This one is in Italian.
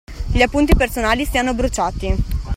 Gli appunti personali siano bruciati.